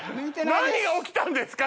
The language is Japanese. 何が起きたんですか？